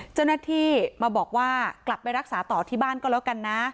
เจ้าหน้าที่มาบอกว่ากลับไปรักษาต่อที่บ้านก็แล้วกันนะ